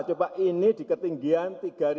coba ini di ketinggian tiga tiga ratus